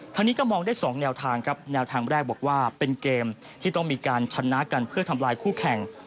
นี้ก็มองได้๒แนวทางครับแนวทางแรกบอกว่าเป็นเกมที่ต้องมีการชนะกันเพื่อทำลายคู่แข่ง